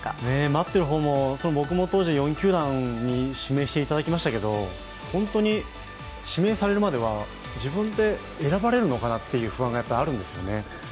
待ってる方も、僕も当時４球団に指名していただきましたけど本当に指名されるまでは自分って選ばれるのかなという不安があるんですよね。